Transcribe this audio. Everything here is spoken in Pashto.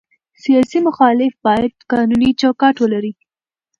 سیاسي مخالفت باید قانوني چوکاټ ولري